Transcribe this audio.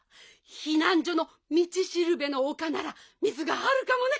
ひなんじょの道しるべの丘なら水があるかもね。